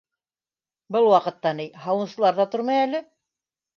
Был ваҡытта ни... һауынсылар ҙа тормай әле...